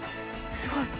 すごい。